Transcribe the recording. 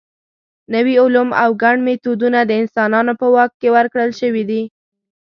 نوي علوم او ګڼ میتودونه د انسانانو په واک کې ورکړل شوي دي.